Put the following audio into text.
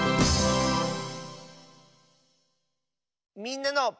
「みんなの」。